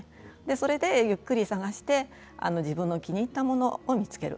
それでゆっくり探して自分の気に入ったものを見つける。